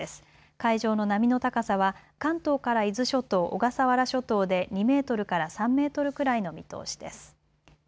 海上の波の高さは関東から伊豆諸島、小笠原諸島で２メートルから３メートルくらいの見通しです。